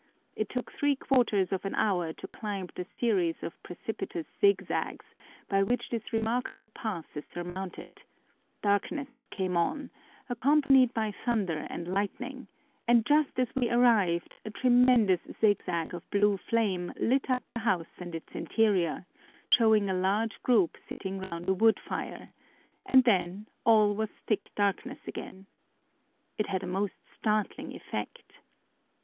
It took three quarters of an hour to climb the series of precipitous zigzags by which this remarkable pass is surmounted; darkness came on, accompanied by thunder and lightning, and just as we arrived a tremendous zigzag of blue flame lit up the house and its interior, showing a large group sitting round a wood fire, and then all was thick darkness again. It had a most startling effect.